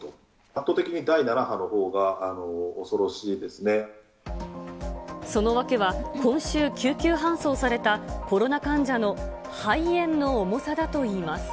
圧倒的にその訳は、今週、救急搬送されたコロナ患者の肺炎の重さだといいます。